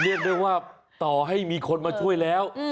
เรียกได้ว่าต่อให้มีคนมาช่วยแล้ว